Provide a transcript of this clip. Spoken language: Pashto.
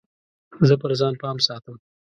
زه پر ځان پام ساتم.